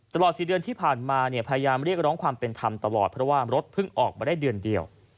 ตลอด๔เดือนที่ผ่านมาเนี่ยพยายามเรียกร้องความเป็นธรรมตลอดเพราะว่ารถเพิ่งออกมาได้เดือนเดียว